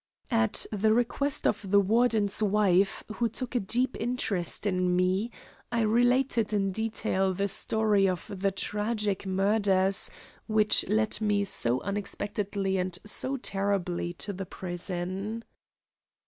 At the request of the Warden's wife, who took a deep interest in me, I related in detail the story of the tragic murders which led me so unexpectedly and so terribly to the prison.